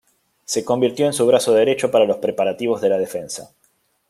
Se convirtió en su brazo derecho para los preparativos de la defensa.